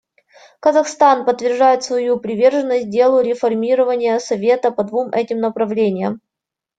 Казахстан подтверждает свою приверженность делу реформирования Совета по двум этим направлениям.